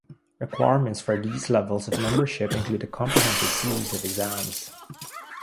Requirements for these levels of membership include a comprehensive series of exams.